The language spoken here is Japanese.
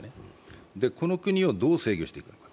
この国をどう制御していくか。